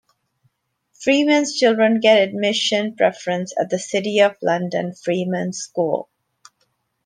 Freemen's children get admission preference at the City of London Freemen's School.